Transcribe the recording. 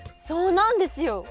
そうなんですよ！